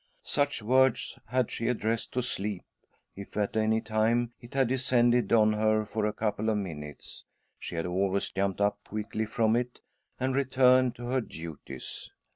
Such words 'had she addressed to sleep ; if, at any time, it had descended on her for a couple of minutes, she had always jumped up quickly from it and returned to her duties.